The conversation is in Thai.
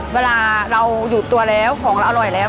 เวลาเราหยุดตัวแล้วของเราอร่อยแล้ว